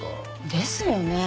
ですよね。